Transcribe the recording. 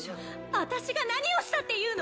私が何をしたっていうの？